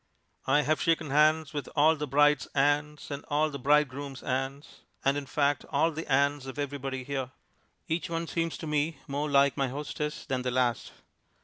I have shaken hands with all the bride's aunts and all the bridegroom's aunts, and in fact all the aunts of everybody here. Each one seems to me more like my hostess than the last.